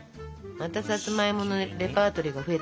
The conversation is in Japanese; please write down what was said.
またさつまいものレパートリーが増えたね。